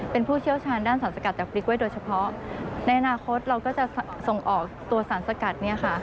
เป็นผู้เชี่ยวชาญด้านสารสกัดจากพริกไว้โดยเฉพาะในอนาคตเราก็จะส่งออกตัวสารสกัดเนี่ยค่ะ